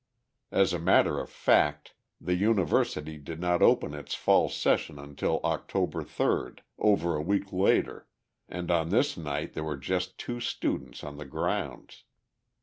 As a matter of fact, the university did not open its fall session until October 3d, over a week later and on this night there were just two students on the grounds.